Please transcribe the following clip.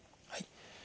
はい。